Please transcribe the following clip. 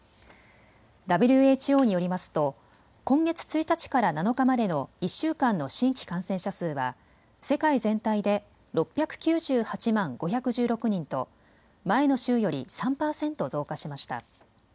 ＷＨＯによりますと今月１日から７日までの１週間の新規感染者数は世界全体で６９８万５１６人と前の週より３％増加しました。